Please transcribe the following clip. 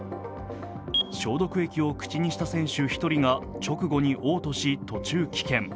消毒液を口にした選手１人が直後におう吐し、途中棄権。